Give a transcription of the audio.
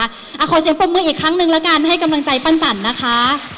อ่าขอเสียงเปิดมืออีกครั้งหนึ่งละกันให้กำลังใจปัญจันนะคะ